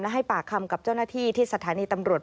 ให้ปากคำกับเจ้าหน้าที่ที่สถานีตำรวจ